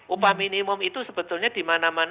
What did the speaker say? upah minimum itu sebetulnya dimana mana